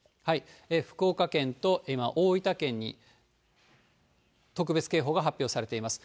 福岡県と今、大分県に特別警報が発表されています。